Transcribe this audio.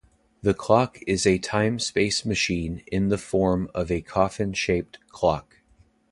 The Clock is a time-space machine in the form of a coffin-shaped clock.